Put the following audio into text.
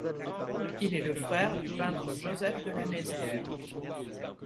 Il est le frère du peintre Joseph de La Nézière.